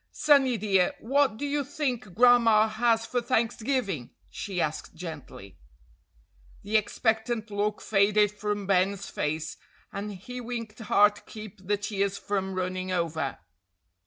"Sonny, dear, what do you think Gran'ma has for Thanksgiving?" she asked gently. The expectant look faded from Ben's face, and he winked hard to keep the tears from running over.